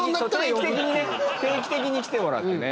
定期的にね定期的に来てもらってね。